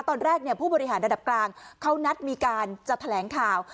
ตอนแรกผู้บริหารระดับกลางเขานัดมีการจะแถลงข่าว